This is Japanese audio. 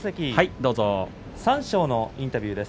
三賞のインタビューです。